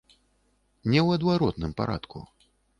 Не ў адваротным парадку.